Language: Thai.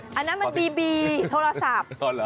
อันนั้นมันบีบีโทรศัพท์